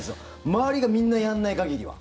周りがみんな、やらない限りは。